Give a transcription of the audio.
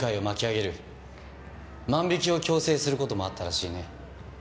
万引きを強制する事もあったらしいね。